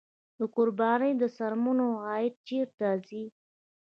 د قربانۍ د څرمنو عاید چیرته ځي؟